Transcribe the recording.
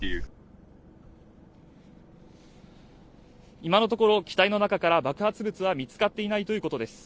今のところ機体の中から爆発物は見つかっていないということです